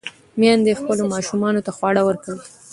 میندې خپلو ماشومانو ته خواړه ورکوي.